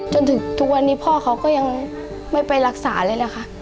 จนถึงทุกวันนี้พ่อเขาก็ยังไม่ไปรักษาเลยแหละค่ะ